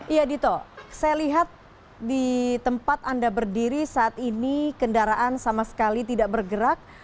iya dito saya lihat di tempat anda berdiri saat ini kendaraan sama sekali tidak bergerak